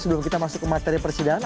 sebelum kita masuk ke materi persidangan